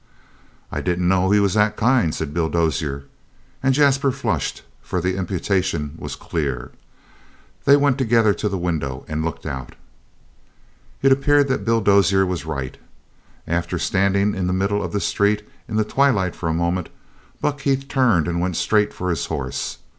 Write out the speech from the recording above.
"I didn't know he was that kind," said Bill Dozier. And Jasper flushed, for the imputation was clear. They went together to the window and looked out. It appeared that Bill Dozier was right. After standing in the middle of the street in the twilight for a moment, Buck Heath turned and went straight for his horse.